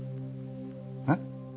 えっ？